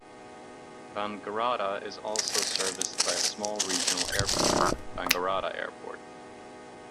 Wangaratta is also serviced by a small regional airport, Wangaratta Airport.